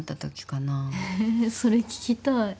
それ聞きたい。